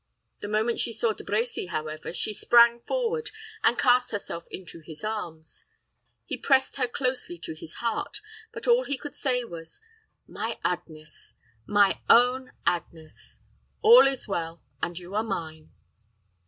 The moment she saw De Brecy, however, she sprang forward and cast herself into his arms. He pressed her closely to his heart; but all he could say was, "My Agnes my own Agnes all is well, and you are mine."